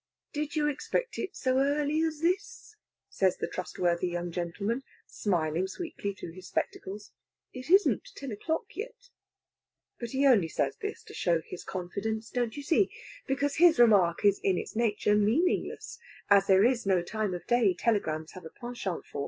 "Did you expect it so early as this?" says the trustworthy young gentleman, smiling sweetly through his spectacles. "It isn't ten o'clock yet." But he only says this to show his confidence, don't you see? Because his remark is in its nature meaningless, as there is no time of day telegrams have a penchant for.